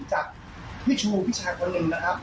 จากพี่ชูผู้ชายคนหนึ่งนะครับ